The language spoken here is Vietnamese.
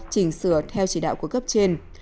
chỉnh sửa theo chỉ đạo của cấp trên